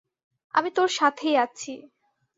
আমি তোর সাথেই আছি।